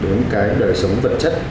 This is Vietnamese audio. đến cái đời sống vật chất